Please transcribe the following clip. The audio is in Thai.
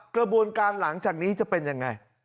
กระบวนการหลังจากนี้จะเป็นยังไง